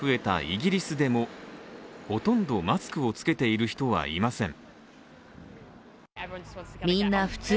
イギリスでもほとんどマスクを着けている人はいません。